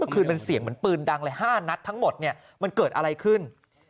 เมื่อคืนมันเสียงเหมือนปืนดังเลยห้านัฒทั้งหมดเนี่ยมันเกิดอะไรขึ้น